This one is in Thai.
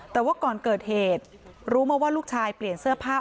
แต่ว่าก่อนเกิดเหตุรู้มาว่าลูกชายเปลี่ยนเสื้อผ้า